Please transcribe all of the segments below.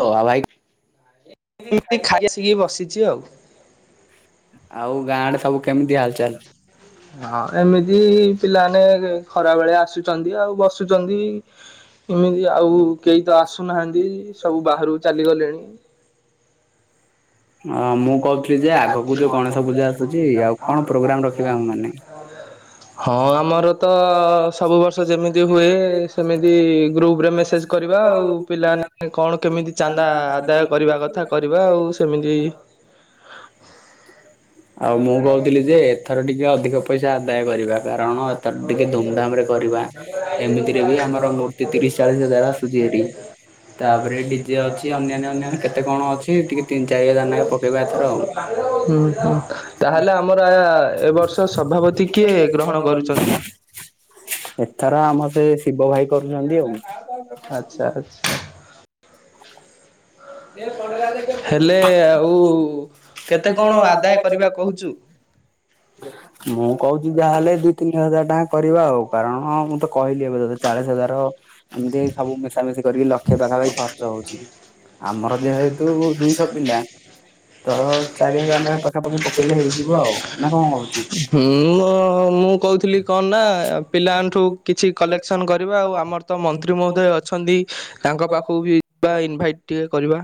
ହୋଉ ଆଉ ଭାଇ। ଏମିତି ଖାଇଆଶିକି ଏଇ ବସିଛି ଆଉ। ଆଉ ଗାଁଡେ ସବୁ କେମିତି ହାଲଚାଲ? ହଁ ଏମିତି ପିଲାମାନେ ଖରା ବେଳେ ଆସୁଚନ୍ତି, ଆଉ ବସୁଚନ୍ତି। ଏମିତି ଆଉ କେହି ତ ଆସୁନାହାନ୍ତି, ସବୁ ବାହାରକୁ ଚାଲିଗଲେଣି। ହଁ ମୁଁ କୋହୁଛି ଯେ ଆଜି ବି ଗଣେଶ ପୂଜା ଅଛନ୍ତି ଆଉ କଣ ପ୍ରୋଗ୍ରାମ ରଖିବ ହଁ ଆମର ତ ସବୁ ବର୍ଷ ଯେମିତି ହୁଏ ସେମିତି ଗ୍ରୁପରେ ମେସେଜ କରିବା ଆଉ ପିଲାମାନେ କଣ କେମିତି ଚାନ୍ଦା ଆଦାୟ କରିବା କଥା କରିବା ଆଉ ସେମିତି ଆଉ ମୁଁ କୋହୁଥିଲି ଯେ ଏଥର ଟିକେ ଅଧିକ ପଇସା ଆଦାୟ କରିବା କାରଣ ତା ଟିକେ ଧୁମଧାମ ରେ କରିବା ଏମିତିରେ ବି ଆମର ମୂର୍ତ୍ତି ତିରିଶି ଚାଳିଶି ହଜାର ଆସୁଛି ହେରି। ତାପରେ ଡିଜେ ଅଛି ଅନ୍ୟାନ୍ୟ ଅନ୍ୟନ୍ୟ କେତେ କଣ ଅଛି ଟିକେ ତିନି ଚାରି ହଜାର ପକେଇବା ଏଥର ଆଉ। ହୁଁ ହୁଁ ତାହେଲେ ଆମର ଏ ବର୍ଷ ସଭାପତି କିଏ ଗ୍ରହଣ କରୁଚନ୍ତି? ଏଥର ଆମର ସେ ଶିବ ଭାଇ କରୁଛନ୍ତି ଆଉ। ଆଛା ଡେ ଏ ପଟା ଦେଖିବା ଆଉ କେତେ କଣ ଆଦାୟ କରିବା କୋହୁଚୁ। ମୁଁ କହୁଛି ଯାହାହେଲେ ଦିଇ ତିନି ହଜାର ଟଙ୍କା କରିବା ଆଉ କାରଣ ମୁଁ ତ କହିଲି ଏବେ ଯ ଚାଳିଶି ହଜାର ଏମିତି ସବୁ ମିଶାାମିଶି କରିକି ଲକ୍ଷ ପାଖାପଖି ଖର୍ଚ୍ଚ ହୋଉଚି। ଆମର ଯେହେତୁ ଦୁଇଶହ ପିଲା ତ ଚାରି ହଜାର ନାଖା ପାଖାପାଖି ପକେଇଲେ ହେଇଯିବ ଆଉ। ନା କଣ ହଁ କହୁଛୁ? ମୁ ମୁଁ କୋହୁଥିଲି କଣ ନା ପିଲାମାନଙ୍କ ଠୁ କିଛି କଲେକ୍ସନ୍ କରିବା ଆଉ ଆମର ତ ମନ୍ତ୍ରୀ ମହୋଦୟ ଅଛନ୍ତି ତାଙ୍କ ପାଖକୁ ବି ବା ଇନଭାଇଟ୍ ଟିକେ କରିବା।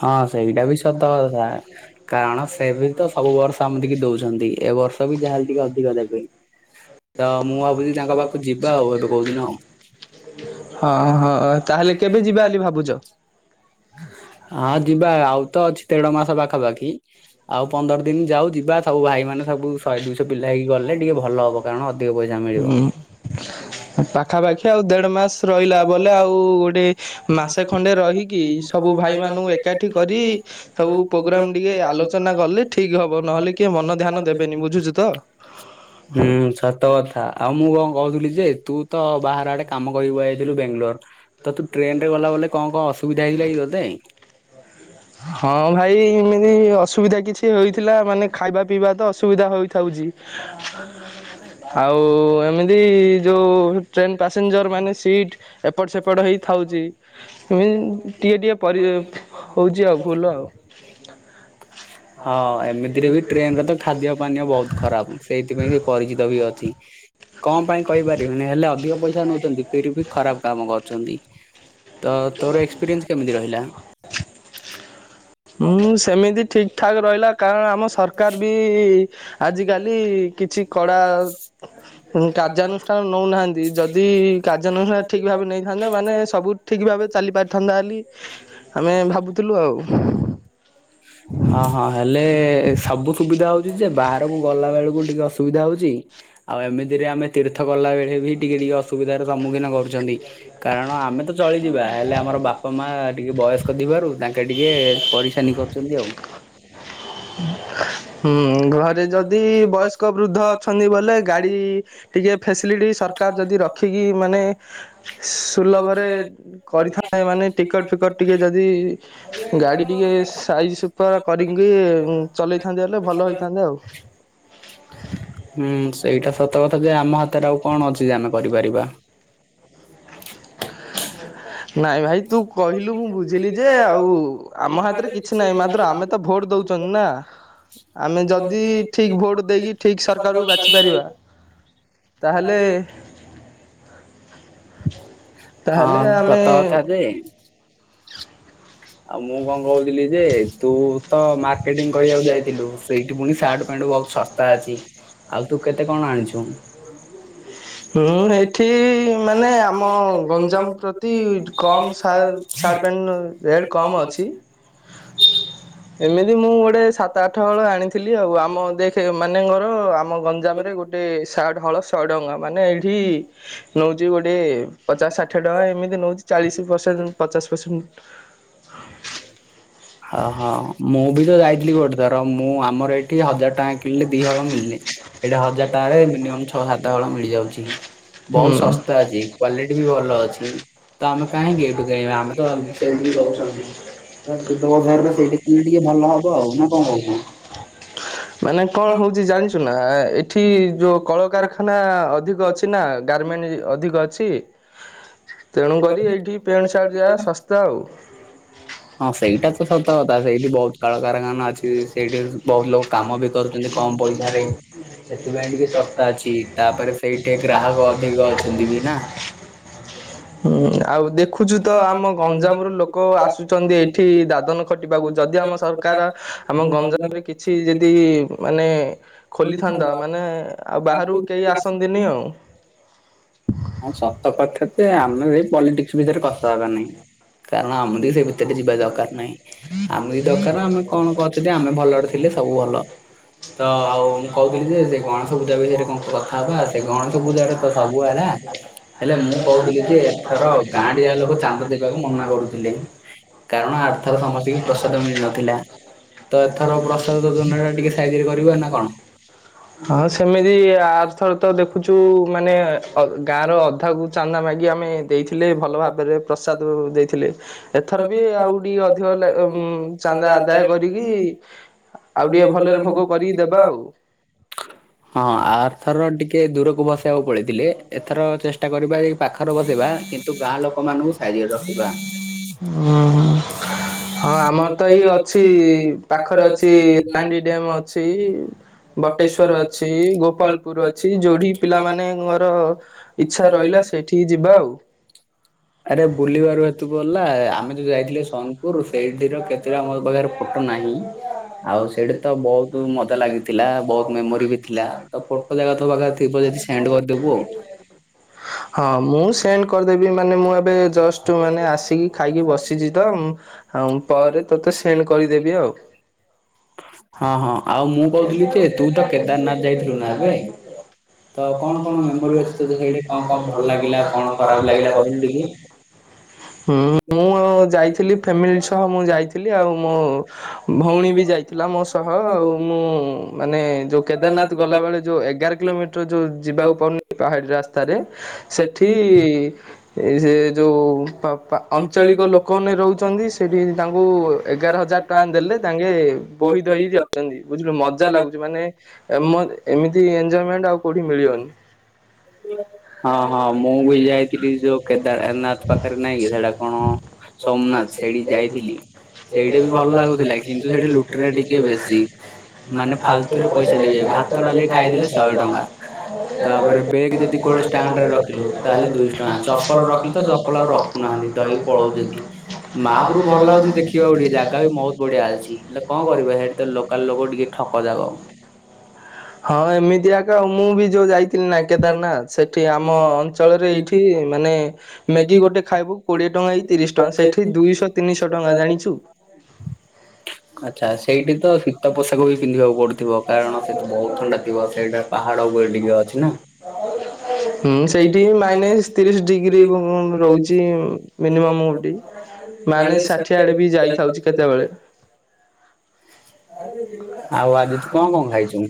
ହଁ ସେଇଟା ବି ସତ କଥା କାରଣ ସେ ବି ତ ସବୁ ବର୍ଷ ଏମିତିକି ଦୋଉଚନ୍ତି ଏ ବର୍ଷ ତ ବି ଯାହାହେଲେ ବି ଟିକେ ଅଧିକ ଦେବେ ତ ମୁଁ ଭାବୁଛଚି ତାଙ୍କ ପାଖକୁ ଯିବା ଆଉ ଏବେ କୋଉଦିନ। ହଁ ହଁ ତାହେଲେ କେବେ ଯିବା ବୋଲି ଭାବୁଛ? ହଁ ଯିବା ଆଉ ତ ଅଛି ତେଢ ମାସ ପାଖାପାଖି ଆଉ ପନ୍ଦର ଦିନ ଯାଉ ଯିବା ସବୁ ଭାଇ ମାନେ ସବୁ ଶହେ ଦୁଇଶହ ପିଲା ହେକି ଗଲେ ଟିକେ ଭଲ ହବ କାରଣଧିକ ପଇସା ମି ହୁଁ। ପାଖାପାଖି ଆଉ ଦେଢ ମାସ ରହିଲା ବଲେ ଆଉ ଗୋଟେ ମାସେ ଖଣ୍ଡେ ରହିକି ସବୁ ଭାଇ ମାନଙ୍କୁ ଏକାଠି କରି ସବୁ ପ୍ରୋଗ୍ରାମ ଟିକେ ଆଲୋଚନା କଲେ ଠିକ ହବ ନହେଲେ କିଏ ମନ ଧ୍ୟାନ ଦେବେନି ବୁଝୁଛି ତ। ହୁଁ ସାର୍ ସତ କଥା ଆଉ ମୁଁ କଣ କହୁଥିଲି ଯେ ତୁ ତ ବାହାର ଆଡେ କାମ କର ଯାଇଥିଲୁ ବାେଙ୍ଗଲୋର ତ ତୁ ଟ୍ରେନ ରେ ଗଲା ବଲେ କଣ କଣ ଅସୁବିଧା ହେଇଥିଲା କି ତୋତେ? ହଁ ଭାଇ ଏମିତି ଅସୁବିଧା କିଛି ହେଇଥିଲା ମାନେ ଖାଇବା ପିଇବା ତ ଅସୁବିଧା ହେଥାଉଛି। [inaudible] ଆଉ ଏମିତି ଯୋଉ ଟ୍ରେନ ପାସେଞ୍ଜର ମାନେ ସିଟ ଏପଟ ସେପଟ ହେଇ ଥାଉଛି ଟିକିେ ଟିକିଏ ପରି ହେଉଛି ଆଉ ଭୁଲ ଆଉ। ହଁ ଏମିତିରେ ବି ଟ୍ରେନରେ ତ ଖାଦ୍ୟ ପାନୀୟ ବହୁତ ଖରାପ ସେଇଥିପାଇଁ ସେ ପରିଚିତ ବି ଅଛି। [inaudible] କଣ ପାଇଁ କହିପାରିବନି ହେଲେ ଅଧିକ ପଇସା ନଉଛନ୍ତି ଫରି ବି ଖରାପ କାମ କରୁଛନ୍ତି। ତ ତୋର ଏକ୍ସପିରିଏନ୍ସ କେମିତି ରହିଲା? ମୁଁ ସେମିତି ଠିକ୍ ଠ ଠାକ ରହିଲା କାରଣ ଆମ ସରକାର ବି ଆଜିକାଲି କିଛି କଡ଼ା ହଁ କାର୍ଯ୍ୟାନୁଷ୍ଠାନ ନଉନାହାନ୍ତି ଯଦି କାର୍ଯ୍ୟାନୁଷ୍ଠାନ ଠିକ ଭାବେ ନେଇଥାନ୍ତା ମାନେ ସବୁ ଠିକ ଭାବେ ଚାଲି ପାରିଥାନ୍ତା ହେଲି ଆମେ ଭାବୁଥିଲୁ ଆଉ। [inaudible] ହଁ ହଁ ହେଲେ ସବୁ ସୁବିଧା ହଉଛି ଯେ ବାହାରକୁ ଗଲା ବେଳକୁ ଟିକେ ଅସୁବିଧା ହଉଛି। ଆଉ ଏମିତିରେ ଆମେ ତୀର୍ଥ ଗଲା ବେଳେ ବି ଟିକେ ଟିକେ ଅସୁବିଧାର ସମ୍ମୁଖୀନ କରୁଛନ୍ତି। କାରଣ ଆମେ ତ ଚଳିଯିବା ହେଲେ ଆମର ବାପା ମା ଟିକେ ବୟସ୍କ ଥିବାରୁ ତାଙ୍କେ ଟିକେ ପରିସାନୀ କର ଏମିତି ଆଉ। [unintelligible] ହୁଁ ଘରେ ଯଦି ବୟସ୍କ ବୃଦ୍ଧ ଅଛନ୍ତି ବୋଲେ ଗାଡି ଟିକଏ ଫ୍ୟାସିଲିଟି ସରକାର ଯଦି ରଖିକି ମାନେ ସୁଲଭରେ କରିଥାଏ ମାନେ ଟିକଟ ଫିକଟ ଟିକେ ଯଦି ଗାଡି ଟିକେ ସୁପର କରିକି ଚଲେଇ [unintelligible] ହୁଁ ସେଇଟା ସତ କଥା ଯେ ଆମ ହାତରେ ଆଉ କଣ ଅଛି ଯେ ଆମେ କରିପାରିବା? ନାଇଁ ଭାଇ ତୁ କହିଲୁ ମୁଁ ବୁଝିଲି ଯେ ଆଉ ଆମ ହାତରେ କିଛି କି ନାଇଁ ମାତ୍ର ଆମେ ତ ଭୋଟ ଦଉଛନ୍ତି ନା ଆମେ ଯଦି ଠିକ ଭୋଟ୍ ଦେଇକି ଠିକ ସରକାରକୁ ବାଛିପାରିବା। ତା ହେଲେ ହଁ ତାହେଲେ ଆମେ ସତ କଥା ଯେ ଆଉ ମୁଁ କଣ କହୁଥିଲି ଯେ ତୁ ତ ମାର୍କେଟିଂ କରିବାକୁ ଯାଇଥିଲୁ ସେଇଠି ପୁଣି ସାର୍ଟ ପ୍ୟାଣ୍ଟ ବହୁତ ଶ ଶସ୍ତା ଅଛି ଆଉ ତୁ କେତେ କଣ ଆଣିଛୁ? ମୁଁ ଏଇଠି ମାନେ ଆମ ଗଞ୍ଜାମ ପ୍ରତି କମ୍ ସାର୍ ସାର୍ଟ ପଣ୍ଟ ରେଟ୍ କମ୍ ଅଛି ଏମିତି ମୁଁ ଗୋଟେ ସାତ ଆଠ ହଳ ଆଣିଥିଲି ଆଉ ଆମ ଦେଖ ମାନେଙ୍କର ଆମ ଗଞ୍ଜାମରେ ଗୋଟେ ଗୋଟେ ସାର୍ଟ ହଳ ଶହେ ଟଙ୍କା ମାନେ ଏଇଠି ନେଉଛି ଗୋଟେ ପଚାଶ ଷାଠିଏ ଟଙ୍କା ଏମିତି ନେଉଛି ଚାଳିଶ ପରସେଣ୍ଟ ପଚାଶ ପରସେଣ୍ଟ ଓହୋ [unintelligible] ମୁଁ ବି ତ ସେ ଯାଇଥିଲି ଗୋଟେ ଥର ହଜାରେ ମୁଁ ଆମର ଟଙ୍କା ଏଠି ହଜାର ଟଙ୍କା ରେ କିଣିଲେ ଦି ହଳ ମିଳିଲେ। ଛଅ ଏଇଟା ସାତ ହଜାର ଟଙ୍କାରେ ହଳ ମିନିମମ୍ ଛଅ ସାତ ହଳ ମିଳିଯିବ। ମିଳିଯାଉଛି। ବି ବହୁତ ଭଲ ଶସ୍ତା ଅଛି କ୍ଵାଲିଟି ବି ଭଲ ଅଛି। ଆମେ ତ ଆମେ କାହିଁ? କାହିଁକି ଏଇଠୁ କିଣିବା ସେମିତି ଆମେ ତ ବି କହୁଛନ୍ତି। ସୁଧବଜାରରେ ସେଇଠି କିଣିଲେ ଟିକେ ଭଲ ହବ ଆଉ ନା କଣ କହୁଛୁ? [unintelligible] ମାନେ କଣ ହଉଛି ଜାଣିଛ ନା ଏଠି ଯୋଉ କଳକାରଖାନା କଖାନା ଅଧିକ ଅଛି ନା ଗାର୍ମେଣ୍ଟ ଅଧିକ ଅଛି। ତେଣୁକରି ଏଇଠି ପ୍ୟାଣ୍ଟ ସାର୍ଟ ଯାହା ଶସ୍ତା ଆଉ। ହଁ ସେଇଟା ତ ସତକଥା ସେଇଠି ବହୁତ କଳକାରଖାନା ଅଛି ସେଇଠି ବହୁତ ଲୋକ କାମ ବି କରୁ କମ ପଇସାରେ ସେଥିପାଇଁ ଟିକେ ଶସ୍ତା ଅଛି ତାପରେ ସେଇଠି ଗ୍ରାହକ ଅଧିକ ଅଛି। [unintelligible] [unintelligible] ହୁଁ ଆଉ ଦେଖୁଛ ତ ଆମ ଗଞ୍ଜାମରୁ ଲୋକ ଆସୁଛନ୍ତି ଏଇଠି ଏଠି ଦାଦନ ଖଟିବାକୁ ଯଦି ଆମ ସରକାର ଆମ ଗଞ୍ଜାମରେ କିଛି ଯଦି ମାନେ ଖୋଲିଥାନ୍ତା ମାନେ ଆଉ ବାହାରକୁ କେହି ଆସନ୍ତିନି ଆଉ। ହଁ ସତ କଥା ତ ଆମେ ଏ ପଲିଟିକ୍ସ ଭିତରେ କଥା ହେବାନାଇଁ କାରଣ ଆମେ ସେ ଭିତରେ ଯ ଯିବା ଦରକାର ନାହିଁ ଆମ ବି ଦରକାର ଆମେ କଣ କରଛନ୍ତି ଆମେ ଭଲରେ ଥିଲେ ସବୁ ଭଲ। ତ ଆଉ ମୁଁ କହୁଥିଲି ଯେ ସେଇ ଗଣେଶ ପୂଜା ବିଷୟରେ କଥା ହବା ସେ ଗଣେଶ ପୂଜାଟା ତ ସବୁ ହେଲା। ହେଲେ ମୁଁ କହୁଥିଲି ଯେ ଏଥର ଗାଁ ଟି ଯାଙ୍କ ଲୋକ ଚାନ୍ଦ ଦେବାକୁ ମନା କରୁଥିଲେ। କାରଣ ଆର୍ଥର ସମସ୍ତଙ୍କୁ ପ୍ରସାଦ ମିଳିନଥିଲା। ତ ଏଥର ପ୍ରସାଦ ଯୋଜନା ଟା ଟିକେ ସାଇଜିରେ କରିବ ନା କଣ? ହଁ ସେମିତି ଆର୍ଥର ତ ଦେଖୁଛୁ ମାନେ ଗାଁ ର ଅଧାକୁ ଚାନ୍ଦା ମାଗି ଆମେ ଦେଇଥିଲେ ଭଲ ଭାବରେ ପ୍ରସାଦ ଦେଇଥିଲେ। ଏଥର ବି ଆଉ ଟିକେ ଅଧିକ ଚାନ୍ଦା ଆଦାୟ କରିକି। ଆଉ ଟିକେ ଭଲରେ ଭୋଗ କରିକି ଦେବା ଆଉ। ହଁ ଆର୍ଥର ଟିକେ ଦୂରକୁ ବସାଇବାକୁ ପଳାଇଥିଲେ ଏଥର ଚେଷ୍ଟା କରିବା ଯେ ପାଖରେ ବସେଇବା କିନ୍ତୁ ଗାଁ ଲୋକ ମାନଙ୍କୁ ସାଇଯିରେ ରଖିବା। ହଁ ହଁ। ହଁ ଆମର ତ ଇଏ ଅଛି ପାଖରେ ଅଛି ପାଣ୍ଡିଆ ଡ୍ୟାମ ଅ ସେଇ ବଟେଶ୍ଵର ଅଛି ଗୋପାଳପୁର ଅଛି ଯୋଉଠି ପିଲା ନୂଆର ଇଚ୍ଛା ରହିଲା ସେଇଠିକି ଯିବା ଆଉ। ଆରେ ବୁଲିବାରୁ ଏତୁ ଗଲା ଆମେ ଯୋଉ ଯାଇଥିଲେ ସୋନପୁର ସେଇଠିର କେତେଟା ମୋ ପାଖରେ ଫଟୋ ନାହିଁ ଆଉ ସେଇଠି ତ ବହୁତ ମଜା ଲାଗିଥିଲା ବହୁତ ମେମୋରି ବି ଥିଲା ତ ଫୋଟୋ ଯାକ ତୋ ପାଖରେ ଥିବ ଯଦି ସେଣ୍ଡ କରିଦବୁ ଆଉ, [unintelligible] ହଁ ମୁଁ ସେଣ୍ଡ କରିଦେବି ମାନେ ମୁଁ ଏବେ ଜଷ୍ଟ ମାନେ ଆସିକି ଖାଇକି ବସିଛି ତ ମୁ ଆଉ ପରେ ତୋତେ ସେଣ୍ଡ କରିଦେବି ଆଉ, [unintelligible] ହଁ ହଁ ଆଉ ମୁଁ କହୁଥିଲି ଯେ ତୁ ତ କେଦାରନାଥ ଯାଇଥିଲୁ ନା ଏବେ? ତ କଣ କଣ ମେମୋରି ଅଛି ଟିକେ କଣ କଣ ଭଲ ଲାଗିଲା କଣ ଖରାପ ଲାଗିଲା ହୁଁ, ମୁଁ ଆ ଯାଇଥିଲି ଫ୍ୟାମିଲି ସହ ମୁଁ ଯାଇଥିଲି ଆଉ ମୋ ଭଉଣୀ ବି ଯାଇ ଥିଲା ମୋ ସହ ଆଉ ମୁଁ ମାନେ ଯେଉଁ କେଦାରନାଥ ଗଲାବେଳେ ଯେଉଁ ଏଗାର କିଲୋମିଟର ଯୋଉ ଯିବାକୁ ପଡୁନି ପାହାଡି ରାସ୍ତାରେ ସେଠି ସେ ଯୋଉ ପା ଅଞ୍ଚଳିକ ଲୋକମାନେ ରହୁଛନ୍ତି। ସେଠି ତାଙ୍କୁ ଏଗାର ହଜାର ଟଙ୍କା ଦେଲେ ତାଙ୍କେ ବୋହି ଧୋଇ ଯାଉଛନ୍ତି। ବୁଝିଲୁ ମଜା ଲାଗୁଛି। ମାନେ ଏମ ଏମିତି ଏନଞ୍ଜୟମେଣ୍ଟ ଆଉ କୋଉଠି ମିଳିବନି। ହଁ, ହଁ, ମୁଁ ବି ଯାଇଥିଲି ଯୋଉ କେଦାରନାଥ ପାଖକୁ। ପାଖରେ ନାଇଁ କି ସେଟା କଣ ସୋମନାଥ ସେଇଠି ଯାଇଥିଲି ସେଇଟା ବି ଭଲ ଲାଗୁଥିଲା କିନ୍ତୁ ସେଠି ଲୁ ରେଟ ଟିକେ ବେଶି। ମାନେ ଫାଲତୁରେ ପଇସା ନେବେ ଭାତ, ଡାଲିି ଖାଇଦେଲେ ଶହେ ଟଙ୍କା। ଆ ତାପରେ ବେଗ୍ [inaudible] ଯଦି କୋଉଠି ଷ୍ଟାଣ୍ଡରେ ଖଲି ରଖିଲୁ ତାହେଲେ ଦୁ ଦୁଇଶହ ଟଙ୍କା ରଖିଲୁ ତ ଚପଲ ଆଉ [inaudible] ରଖୁନାହାନ୍ତି ଧରିକି [inaudible] ପଳଉଛନ୍ତି। ଭଲ ମହାପୁରୁ ଭଲ ଲାଗୁଛି ଦେଖିବାକୁ ଜାଗା ଟିକେ ଜାଗା ବହୁତ ବି ବଢିଆ ଅଛି ହେଲେ ବହୁତ୍ କଣ କରିବା ସେଇଠି ବଢିଆ ତ ଲୋକାଲ ଲୋକ ଅଛି ଟିକେ ଠକ ଯାକ। କିବ [inaudible] ହଁ! ଏମିତିଆ କ ମୁଁ ବି ଯୋଉ ଯାଇଥିଲି ନା କେତେ ତାନା ସେଠି ଆମ ଅଞ୍ଚଳରେ ଏଇଠି ମାନେ ମ୍ୟାଗି ଗୋଟେ ଖାଇବୁ କୋଡିଏ ଟଙ୍କା କି ତିରିଶି ଟଙ୍କା ସେଠି ଦୁଇଶହ, ତିନିଶହ ଟଙ୍କା ଜାଣିଛୁ? [unintelligible] ଆଚ୍ଛା! ସେଇଟି ତ ଶୀତ ପୋଷାକ ବି ପିନ୍ଧିବାକୁ ପଡୁଥିବ କାରଣ ସେଠି ବହୁତ ଥଣ୍ଡା ଥିବ ସେଇଟା ପାହାଡ ଉପରେ ଟିକେ ଅଛି ନା। ହୁଁ ସେଇଠି ମାଇନେସ ତିରିଶ ଡିଗ୍ରୀ ଏବଂ ରହୁଛି। ଟିଁ ମିନିମମ ଓଡି ମାଇନସ ଷାଠିଏ ଆଡେ ବି ଯାଇଥାଉଛି କେତେବେଳେ ଆଉ ଆଜି ତୁ କଣ କଣ ଖାଇଚୁ?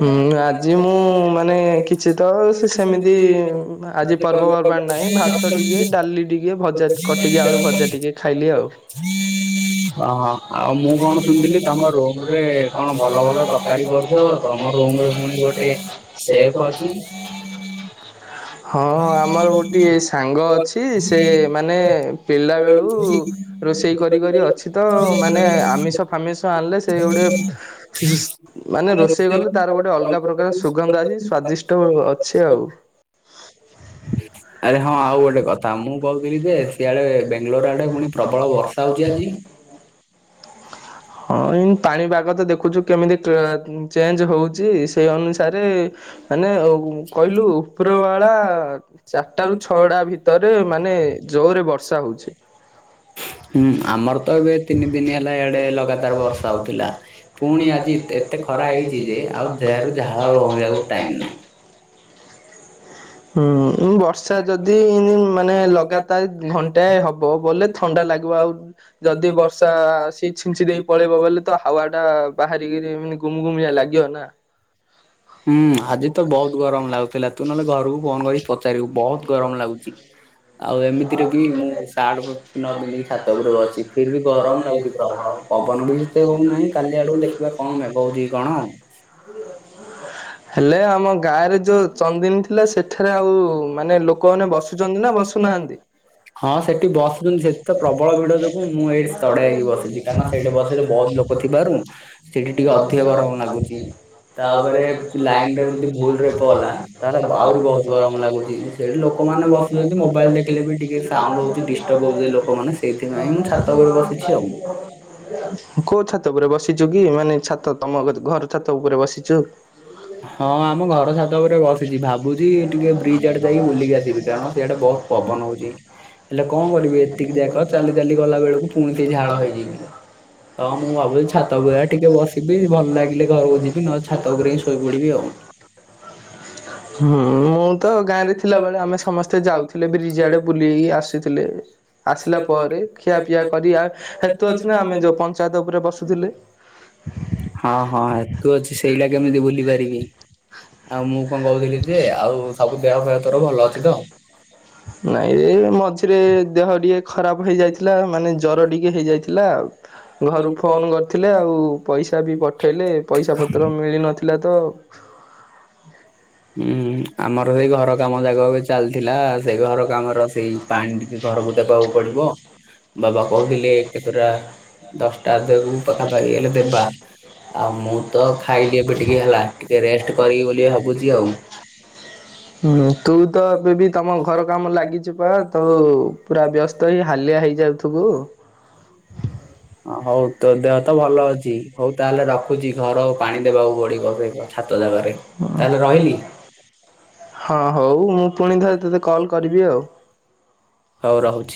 ହୁଁ, ଆଜି ମୁଁ ମାନେ କିଛି ତ ସେ ସେମିତି ଆଜି ପର୍ବପର୍ବାଣି ନାହିଁ ଭାତ ଭାତ ଟିକେ, ଡାଲି ଟିକେ, ଭଜା, କଟିକି ଆଳୁ ଭଜା ଟିକେ ଖାଇଲି ଆଉ [inaudible] ଅ ହଁ ଆଉ ମୁଁ କଣ ଶୁଣିଲି କି ତମ ରୁମ ରେ କଣ ଭଲ ଭଲ ତକାରୀ କରୁଚ, ତମ ରୁମ ରେ ପୁଣି ଗୋଟେ ସେପ୍ ଅଛିି। ହଁ ଆମର ଗୋଟିଏ ଏସ ସାଙ୍ଗ ଅଛି, ସେ ମାନେ ପିଲା ବେଳୁ ରୋଷେଇ କରି କରି ଅଛି। ସେ ତ ମାନେ ଆମିଷ ଆମିଷ ଆଣିଲେ ସେ ଗୋଟେ, ମାନେ ରୋଷେଇ କଲେ ତାର ଗୋଟେ ଅଲଗା ପ୍ରକ ତାର ସୁଗନ୍ଧ ଆଜି ସ୍ଵାଦିଷ୍ଟ ଅଛି ଆଉ ହ [inaudible] ଆରେ ହଁ ଆଉ ଗୋଟେ କଥା। ମୁଁ କହୁଥିଲି ଯେ ସିଆଡେ ବେଙ୍ଗଲୋର ଆଡେ ପୁଣି ପ୍ରବଳ ବର୍ଷା ହଉଛି ଆଜି? ହଁ ଏଇ ପାଣି ପାଣିପାଗ ତ ଦେଖୁଛୁ କେମିତି ପାଗ ଚେଞ୍ଜ ହଉଛି ସେଇ ଅନୁସାରେ ମାନେ କହିଲୁ ଉପରବାଳା [inaudible] [unintelligible] [unintelligible] ଚାରିଟାରୁ ଛଅଟା ଭିତରେ ମାନେ ଜୋରରେ ବର୍ଷା ହଉଛି। ହୁଁ, ଆମର ତ ଏବେ ତିନି ଦିନ ହେଲା ଇଆଡେ ଲ ଲଗାତାର ବର୍ଷା ହଉଥିଲା। ପୁଣି ଆଜି ଏତ ଏତେ ଖରା ହେଇଛି ଯେ ଆଉ ଦେହରୁ ଝାଳ ବୋହିଆକୁ ଟାଇମ୍ ନାଇଁ। ହୁଁ, ମୁଁ ବର୍ଷ ସ ଯଦି ମାନେ ଲଗାତାର ଘଣ୍ଟାଏ ହବ ବୋଲେ ଥଣ୍ଡା ଲାଗିବ ଆଉ ଯଦି ବର୍ଷା ସେ ଛିଞ୍ଚି ଦେଇ ପଳେଇବ ବୋଲେ ତ, ହାୱା ଟା ବାହାରିକିରି ମାନେ ଗୁମଗୁମିଆ ଲାଗିବ ନା। ହୁଁ ଆଜି ତ ବହୁତ ଗରମ ଲାଗୁଥିଲା, ତୁ ନହେଲେ ଘରକୁ ଫୋନ କରିକି ପଚାରିବୁ ବହୁତ ଗରମ ଲାଗୁଛି ଆଉ ଏମିତିରେ ବି ମୁଁ ସାର୍ଟ ପ ନ ପିନ୍ଧିକି ଛାତ ଉପରେ ବଛି ଫିର ବି ଗରମ ଲାଗୁଛି ପ୍ରବଳ। ପବନ ବି ସେତେ ହଉନାହିଁ। କାଲି ଆଡକୁ ଦେଖିବା କଣ ମେଗ ହଉଛି କଣ। ହେଲେ ଆମ ଗାଁରେ ଯୋଉ ଚନ୍ଦିନୀ ଥିଲା ସେଠାରେ ଆଉ ମାନେ ଲୋକମାନେ ବସୁଛନ୍ତି ନା ବସୁନାହାନ୍ତି? ହଁ ସେଠି ବସୁଛନ୍ତି ସେଠି [unintelligible] ତ ପ୍ରବଳ ଭିଡ ଯୋଗୁ ମୁଁ ଏଇଠି କ ଥିବାରୁ ସେଠି ଟିକେ ଅଧିକ ଗରମ ଲାଗୁଛି ତାପରେ ଲାଇନ ରେ ବି ଯଦି ଭୁଲ ରେ ପଲା ତାହେଲେ ଆହୁରି ବହୁତ ଗରମ ଲାଗୁଚି ହି ସେଇଠି ଲୋକମାନେ ବସୁଛନ୍ତି। ମୋବାଇଲ ଦେଖିଲେ ବି ଟିକେ ସାଉଣ୍ଡ ହଉଛି ଡିଷ୍ଟର୍ବ ହଉଛି ଲୋକମାନେ ଏଇଥିପାଇଁ ମୁଁ ଛାତ ଉପରେ ବସିଛି ଆଉ। ହ କୋଉ ଛାତ ଉପରେ ବସିଛ କି ମାନେ ଛାତ ତମ ଘର ଛାତ ଉପରେ ବସିଛ [inaudible] ହଁ ଆମ ଘର ଛାତ ଉପରେ ବସିଛି ଭାବୁଛି ଟିକେ ବ୍ରିଜ ଆଡେ ଯାଇକି ବୁଲିକି ଆସିବି କାରଣ ସିଆଡେ ବହୁତ ପବନ ହଉଛି ହେଲେ କଣ କରିବି [inaudible] ଏତିକି ଯାକ ଚାଲି ଚାଲି ଗଲା ବେଳକୁ ପୁଣି ସେଇ ଝାଳ ହେଇଯିବି। ତ ମୁଁ [inaudible] ଭାବୁଛି ଛାତ ଉପରେ ଟିକେ ବସିବି ଭଲ ଲାଗିଲେ ଘରକୁ ଯିବି ନହେଲେ ଛାତ ଉପରେ ହିଁ [inaudible] ଶୋଇପଡିବି ଆଉ। ହୁଁ ମୁଁ ତ ଗାଁରେ ଥିଲା ବେଳେ ଆମେ ସମସ୍ତେ ଯାଉଥିଲେ ବ୍ରିଜ ଆଡେ ବୁଲି ଆସିଥିଲେ। ଆସିଲା ପରେ ଖିଆପିଆ କରି ହେତୁ ଅଛି ନା ଆମେ ଯୋଉ ପଞ୍ଚାୟତ ଉପରେ ବସୁଥିଲେ। ହଁ ହଁ ହେତୁ ଅଛି ସେଇଟା କେମିତି ଭୁଲି ପାରିବି। ଆଉ ମୁଁ କଣ କହୁଥିଲି ଯେ ଆଉ ସବୁ ଦେହ ଖ ନାଇଁ ମଝିରେ ଦେହ ଟିଏ ଖରାପ ହେଇଯାଇଥିଲା ମାନେ ଜର ଟିକେ ହେଇଯାଇଥିଲା ଆଉ ଘରୁ ଫୋନ କରି ଥିଲେ ଆଉ ପଇସା ବି ପଠେଇଲେ ପଇସା ପତ୍ର ମିଳି ନଥିଲା ତ ହୁଁ ଆମର ହେଇ ଘର କାମ ଜାଗା ଚାଲିଥିଲା ସେଇ ଘର କାମର ସେଇ ପାଣି ଟିକେ ଘରକୁ ଦେବାକୁ ପଡିବ। ବାବା କହୁଥିଲେ କେତୋଟା ଦଶଟା ଦେକୁ ପାଖାପାଖି ହେଲେ ଦେବା। ଆଉ ମୁଁ ତ ଖାଇଲି ଏବେ ଟିକେ ହେଲା ଟିକେ ରେଷ୍ଟ କରିବି ବୋଲି ଭାବୁଛି। ଆଉ। ହୁ। ତୁ ତ ଏବେ ବି ତମ ଘର କାମ ଲାଗିଛୁ ପା ତୁ ପୁରା ବ୍ୟସ୍ତ ହେଇ ହାଲିଆ ହେଇ ଥୁବୁ। ହଉ ତ ଦେହ ଭଲ ଅଛି ତାହେଲେ ରଖୁଛି ଘରକୁ ପାଣି ଦେବାକୁ ପଡିବ। ରହିଲି ହଁ ହଉ। ହଉ ମୁଁ ପୁଣି ଥରେ ତତେ କଲ୍ କରିବି ଆଉ। ହଉ ରହୁଛି।